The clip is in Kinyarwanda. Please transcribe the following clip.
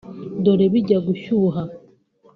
Dore bijya gushyuha